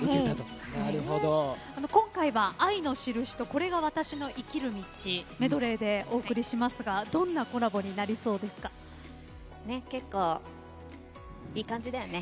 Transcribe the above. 今回は「愛のしるし」と「これが私の生きる道」メドレーでお送りしますが結構いい感じだよね。